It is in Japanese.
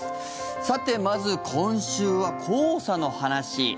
さて、まず今週は黄砂の話。